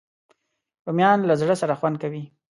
رومیان له زړه سره خوند کوي